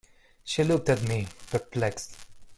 She looked at me, perplexed.